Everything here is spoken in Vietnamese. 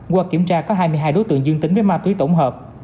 qua kiểm tra có hai mươi hai đối tượng dương tính với ma túy tổng hợp